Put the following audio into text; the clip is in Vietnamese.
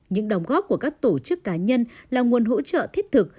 những đồng góp của các tổ chức cá nhân là nguồn hỗ trợ thiết thực